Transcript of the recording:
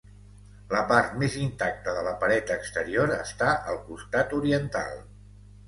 La part més intacta de la paret exterior està al costat oriental.